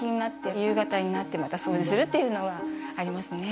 夕方になってまた掃除するっていうのはありますね。